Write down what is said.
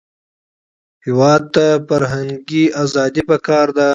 هېواد ته فرهنګي ازادي پکار ده